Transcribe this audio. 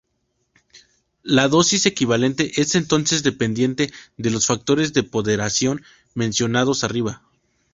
La dosis equivalente es entonces dependiente de los factores de ponderación mencionados arriba.